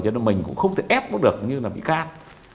cho nên mình cũng không thể ép nó được như là bị can